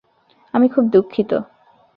আমি খুব দুঃখিত।